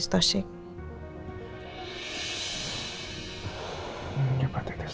hepatitis tosik ya